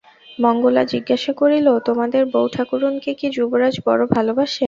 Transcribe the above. মঙ্গলা জিজ্ঞাসা করিল, তোমাদের বউ-ঠাকরুনকে কি যুবরাজ বড়ো ভালোবাসেন?